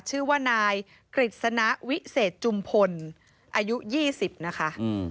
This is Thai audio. ชื่อว่านายกฤษณะวิเศษจุมพลอายุ๒๐นะคะ